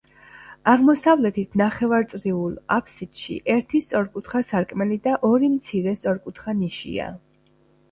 აღმოსავლეთით, ნახევარწრიულ აბსიდში, ერთი სწორკუთხა სარკმელი და ორი მცირე სწორკუთხა ნიშია.